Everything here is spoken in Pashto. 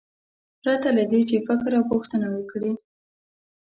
پرته له دې چې فکر او پوښتنه وکړي.